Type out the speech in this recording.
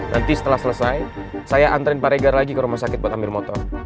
nanti setelah selesai saya antriin pak regar lagi ke rumah sakit buat ambil motor